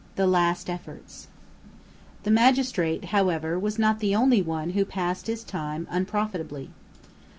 THE LAST EFFORTS The magistrate, however, was not the only one who passed his time unprofitably.